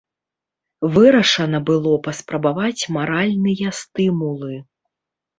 Вырашана было паспрабаваць маральныя стымулы.